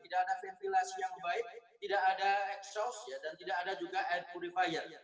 tidak ada ventilasi yang baik tidak ada exhaus dan tidak ada juga air purifier